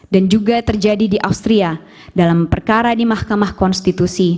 dan juga terjadi di austria dalam perkara di mahkamah konstitusi